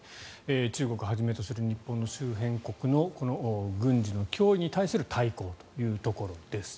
中国をはじめとする日本周辺国の軍事に対する脅威への対抗というところです。